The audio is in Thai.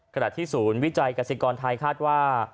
กระดับที่๐วิจัยกษิกรไทยคาดว่า